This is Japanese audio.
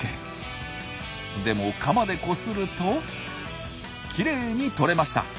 でもカマでこするときれいに取れました。